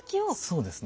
そうですね。